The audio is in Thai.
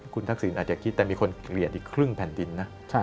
คุณทักษิณอาจจะคิดแต่มีคนเกลียดอีกครึ่งแผ่นดินนะ